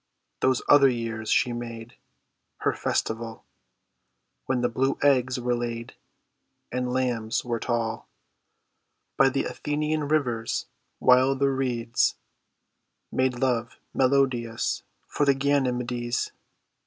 Those other years she made Her festival When the blue eggs were laid And lambs were tall, By the Athenian rivers while the reeds Made love melodious for the Ganymedes.